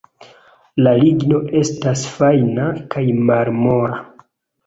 La ligno estas fajna kaj malmola.